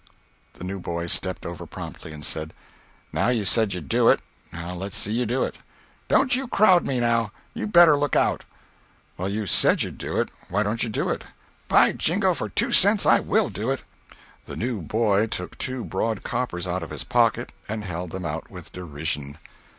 The new boy stepped over promptly, and said: "Now you said you'd do it, now let's see you do it." "Don't you crowd me now; you better look out." "Well, you said you'd do it—why don't you do it?" "By jingo! for two cents I will do it." The new boy took two broad coppers out of his pocket and held them out with derision.